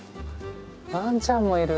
ワンちゃんもいる。